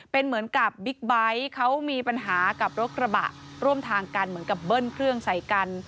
เป็นเหมือนกับบิ๊กไบท์เขามีปัญหากับรถกระบะร่วมทางกันเหมือนกับเบิ้ลเครื่องใส่กัน